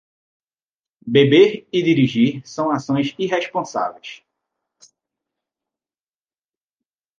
Beber e dirigir são ações irresponsáveis.